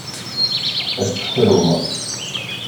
Ad tt-tefrum.